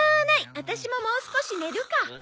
ワタシももう少し寝るか。